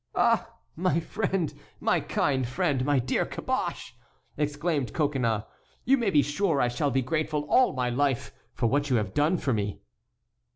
"Ah! my friend! my kind friend, my dear Caboche!" exclaimed Coconnas. "You may be sure I shall be grateful all my life for what you have done for me."